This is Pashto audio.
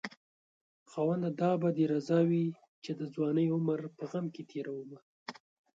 خاونده دا به دې رضا وي چې د ځوانۍ عمر په غم کې تېرومه